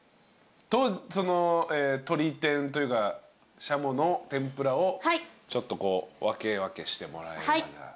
と鶏天というかしゃもの天ぷらをちょっとこう分け分けしてもらえれば。